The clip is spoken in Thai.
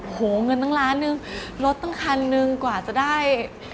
เงินตั้งล้านนึงรถตั้งคันนึงกว่าจะได้